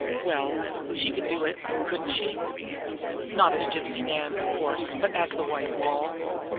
Well, she could do it, couldn't she? Not as Gypsy Nan, of course but as the White Moll.